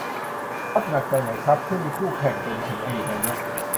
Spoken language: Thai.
ครับ หนักใจไหมครับ ที่มีคู่แข่งเป็นถึงอดีตนายก